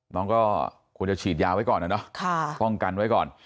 น้องก็ควรจะฉีดยาไว้ก่อนนะเนาะป้องกันไว้ก่อน